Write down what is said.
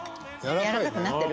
やわらかくなってる？